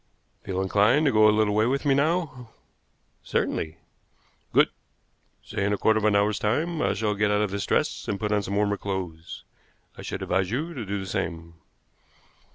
"Feel inclined to go a little way with me now?" "Certainly." "Good! Say in a quarter of an hour's time. I shall get out of this dress and put on some warmer clothes. I should advise you to do the same."